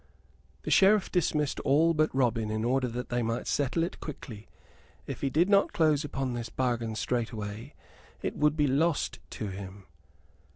The Sheriff dismissed all but Robin, in order that they might settle it quietly. If he did not close upon this bargain straightway it would be lost to him.